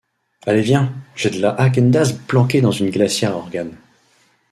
Allez, viens : j’ai de la Häagen-Dazs planquée dans une glacière à organes.